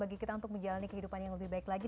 bagi kita untuk menjalani kehidupan yang lebih baik lagi